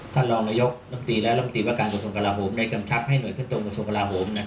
ท่านรองนโยคและรวมติว่าการกดสงกราโหมในกำทับให้หน่วยขึ้นตรงกดสงกราโหม